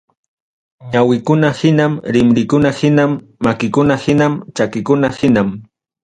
Ñawikuna hinam, rinrikuna hinam, makikuna hinam, chakikuna hinam.